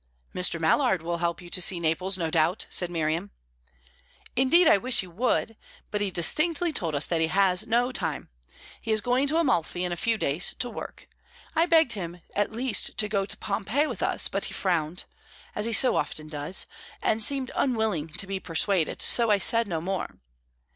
"Mr. Mallard will help you to see Naples, no doubt," said Miriam. "Indeed, I wish he would. But he distinctly told us that he has no time. He is going to Amalfi in a few days, to work. I begged him at least to go to Pompeii with us, but he frowned as he so often does and seemed unwilling to be persuaded; so I said no more.